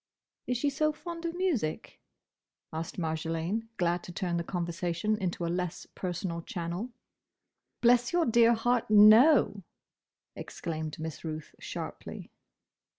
"Is she so fond of music?" asked Marjolaine, glad to turn the conversation into a less personal channel. "Bless your dear heart, no!" exclaimed Miss Ruth sharply.